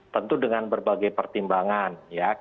tentu dengan berbagai pertimbangan